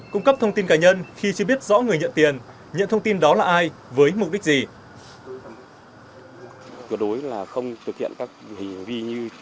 cung cấp thông tin cá nhân khi chưa biết rõ người nhận tiền nhận thông tin đó là ai với mục đích gì